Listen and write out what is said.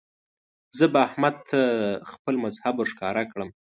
زه به احمد ته خپل مذهب ور ښکاره کړم.